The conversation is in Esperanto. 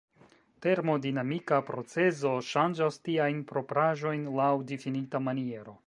Termodinamika procezo ŝanĝas tiajn propraĵojn laŭ difinita maniero.